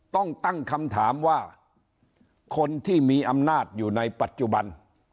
ต้องตั้งคำถามว่าคนที่มีอำนาจอยู่ในปัจจุบัน